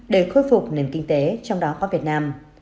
để khôi phục nền kinh tế trong đó có việt nam